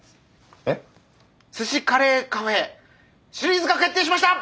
「すしカレーカフェ」シリーズ化決定しました！